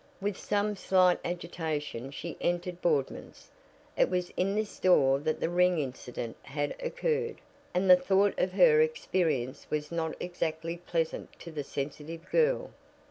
With some slight agitation she entered Boardman's. It was in this store that the ring incident had occurred, and the thought of her experience was not exactly pleasant to the sensitive girl.